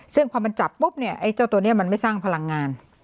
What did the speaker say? ซึ่งพอมันจับปุ๊บเนี่ยไอ้เจ้าตัวนี้มันไม่สร้างพลังงาน